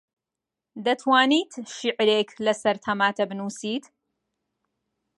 دەتوانیت شیعرێک لەسەر تەماتە بنووسیت؟